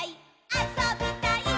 あそびたいっ！！」